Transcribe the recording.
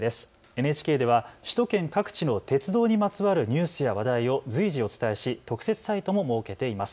ＮＨＫでは首都圏各地の鉄道にまつわるニュースや話題を随時お伝えし特設サイトも設けています。